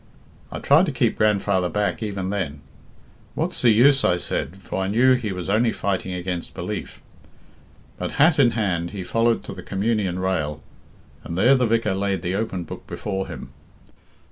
I tried to keep grandfather back even then. 'What's the use?' I said, for I knew he was only fighting against belief. But, hat in hand, he followed to the Communion rail, and there the vicar laid the open book before him.